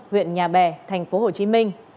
huyện nhà bè tp hcm